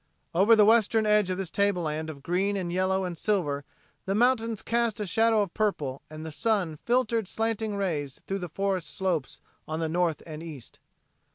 Over the western edge of this tableland of green and yellow and silver the mountains cast a shadow of purple and the sun filtered slanting rays through the forest slopes on the north and east.